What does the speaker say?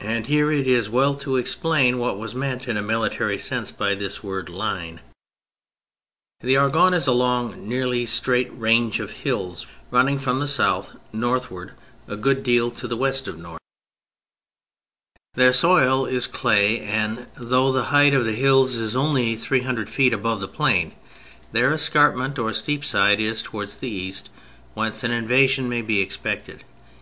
And here it is well to explain what was meant in a military sense by this word " line." The Argonne is a long, nearly straight range of hills running from the south north ward, a good deal to the west of north. THE MILITARY ASPECT 157 Their soil is clay, and though the height of the hills is only three hundred feet above the plain, their escarpment or steep side is towards the east, whence an invasion may be expected.